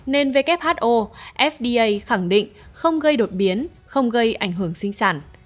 nên who fda khẳng định không gây đột biến không gây ảnh hưởng sinh sản